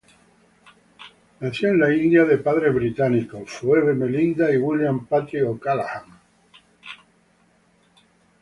Nació en la India, de padres británicos, Phoebe Melinda y William Patrick O'Callaghan.